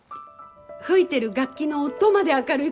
吹いてる楽器の音まで明るい